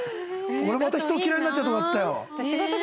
俺また人を嫌いになっちゃうとこだったよ。